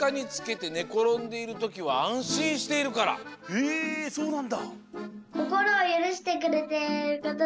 へえそうなんだ！